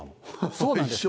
そうなんです。